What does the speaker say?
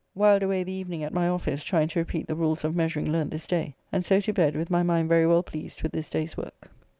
Whiled away the evening at my office trying to repeat the rules of measuring learnt this day, and so to bed with my mind very well pleased with this day's work.